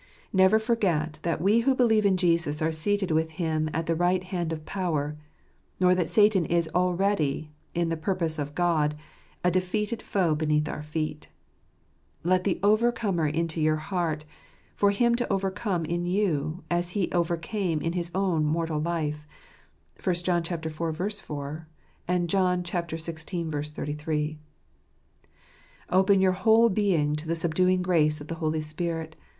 Never forget that we who believe in Jesus are seated with Him at the right hand of power ; nor that Satan is already, in the purpose of God, a defeated foe beneath our feet Let the Over comer into your heart, for Him to overcome in you, as He overcame in His own mortal life (i John iv. 4; and John xvi. 33.) Open your whole being to the subduing grace of the Holy Spirit.